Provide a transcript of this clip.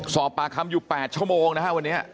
สอบปากคำอยู่๘ชั่วโมงนะฮะวันนี้